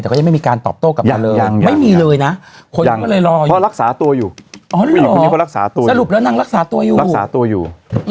แต่ก็ยังไม่มีการตอบโต้กลับมาเลยยังไม่มีเลยนะเพราะรักษาตัวอยู่สรุปแล้วนางรักษาตัวอยู่